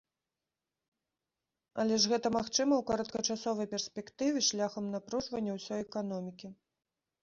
Але ж гэта магчыма ў кароткачасовай перспектыве шляхам напружвання ўсёй эканомікі.